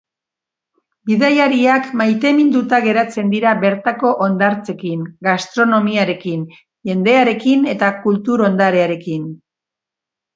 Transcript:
Bidaiariak maiteminduta geratzen dira bertako hondartzekin, gastronomiarekin, jendearekin eta kultur ondarearekin.